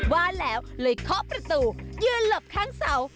ว่าแล้วเลยเคาะประตูยืนหลบข้างเสา